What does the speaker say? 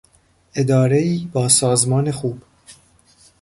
ادارهای با سازمان خوب